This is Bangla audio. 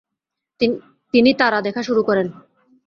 তিনি তারা দেখা শুরু করেন।